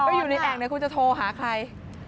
อยู่ในแอ่งเนี่ยคุณจะโทรหาใคร